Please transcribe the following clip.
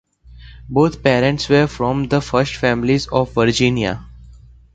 Both parents were from the First Families of Virginia.